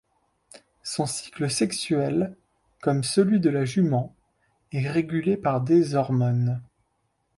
Son cycle sexuel, comme celui de la jument, est régulé par des hormones.